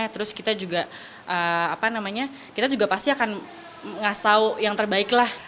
terus kita juga apa namanya kita juga pasti akan ngasih tau yang terbaik lah